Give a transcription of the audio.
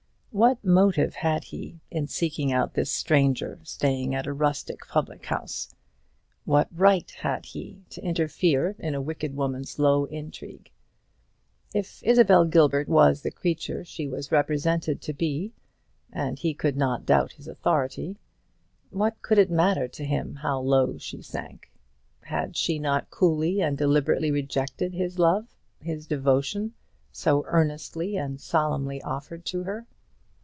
What motive had he in seeking out this stranger staying at a rustic public house? What right had he to interfere in a wicked woman's low intrigue? If Isabel Gilbert was the creature she was represented to be, and he could not doubt his authority, what could it matter to him how low she sank? Had she not coolly and deliberately rejected his love his devotion, so earnestly and solemnly offered to her?